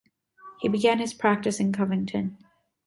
He began his practice in Covington.